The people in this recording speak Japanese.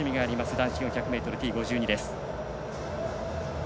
男子４００ｍＴ５２です。